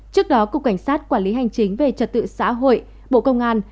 trước đó cục cảnh sát quản lý hành chính về trật tự xã hội bộ công an